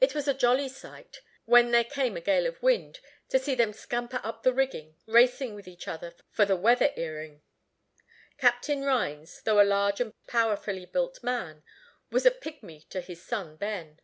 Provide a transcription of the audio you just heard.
It was a jolly sight, when there came a gale of wind, to see them scamper up the rigging, racing with each other for the "weather earing." Captain Rhines, though a large and powerfully built man, was a pygmy to his son Ben.